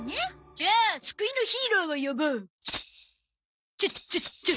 じゃあ救いのヒーローを呼ぼう。